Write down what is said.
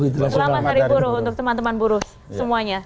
selamat hari buruh untuk teman teman buruh semuanya